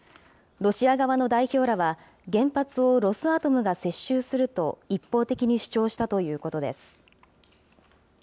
ロシア側の代表らは、原発をロスアトムが接収すると一方的に主張したということです。